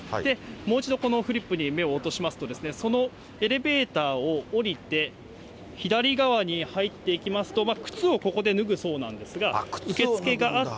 もう一度このフリップに目を落としますと、そのエレベーターを下りて、左側に入っていきますと、靴をここで脱ぐそうなんですが、受け付けがあって、